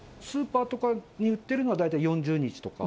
スーパーとかに売ってるのは、うわっ。